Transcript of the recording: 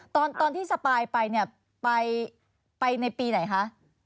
ตอนที่สปายไปเนี่ยไปในปีไหนคะ